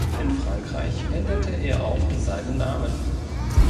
In Frankreich änderte er auch seinen Namen.